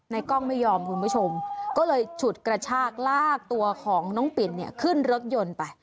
กล้องไม่ยอมคุณผู้ชมก็เลยฉุดกระชากลากตัวของน้องปิ่นเนี่ยขึ้นรถยนต์ไป